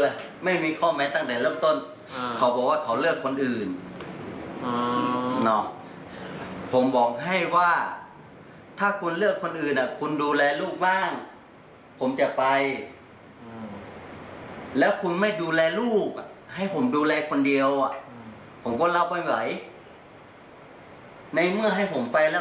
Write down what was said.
และรับสาธุ์ทุกอย่างคลุก